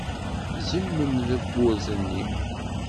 Zemmem tawwurt-nni.